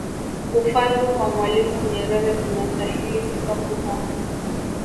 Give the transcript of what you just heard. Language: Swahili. kufalu kwa mwalimu nyerere kunastahili sifa kubwa